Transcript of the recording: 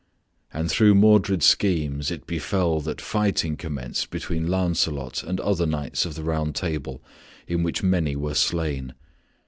And through Modred's schemes it befell that fighting commenced between Lancelot and other knights of the Round Table, in which many were slain.